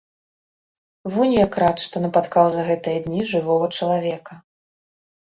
Вунь як рад, што напаткаў за гэтыя дні жывога чалавека.